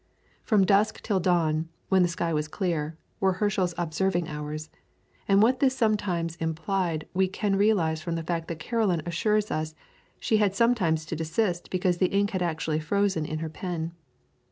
From dusk till dawn, when the sky was clear, were Herschel's observing hours, and what this sometimes implied we can realise from the fact that Caroline assures us she had sometimes to desist because the ink had actually frozen in her pen.